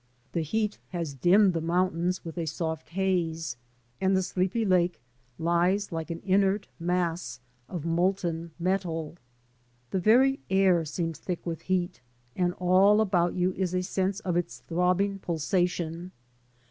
79 The heat has dimmed the mountains with a soft haze, and the sleepy lake lies like an inert mass of molten metal. The very air seems thick with heat, and all about you is a sense of its throbbing pulsation.